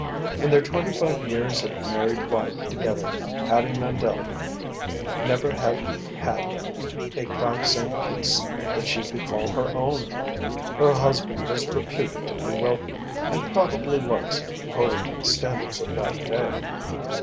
In their twenty five years of married life together Hattie Mandle never had had a five cent piece that she could call her own. Her husband was reputed to be wealthy, and probably was, according to the standards of that day.